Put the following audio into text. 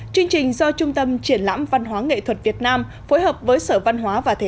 chương trình do trung tâm triển lãm văn hóa nghệ thuật việt nam phối hợp với sở văn hóa và thể